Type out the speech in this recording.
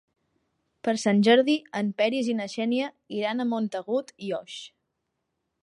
Per Sant Jordi en Peris i na Xènia iran a Montagut i Oix.